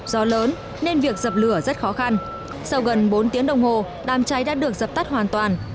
do lớn nên việc dập lửa rất khó khăn sau gần bốn tiếng đồng hồ đám cháy đã được dập tắt hoàn toàn